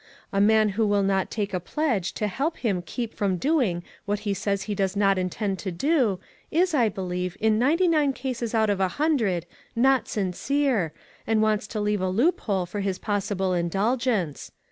A man who will not take a pledge to help him keep from doing what he says he does "WHERE IS JOHN?" 4/1 not intend to do, is, I believe, in ninety nine cases out of a hundred, not sincere, and wants to leave a loophole for his pos sible indulgence.